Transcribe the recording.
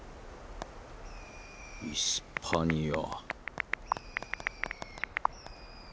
イスパニア。